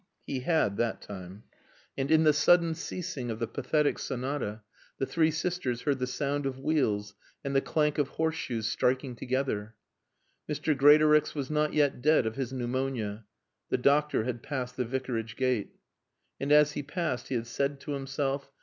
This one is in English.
He had, that time. And in the sudden ceasing of the Pathetic Sonata the three sisters heard the sound of wheels and the clank of horseshoes striking together. Mr. Greatorex was not yet dead of his pneumonia. The doctor had passed the Vicarage gate. And as he passed he had said to himself.